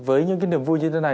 với những cái niềm vui như thế này